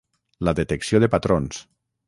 la detecció de patrons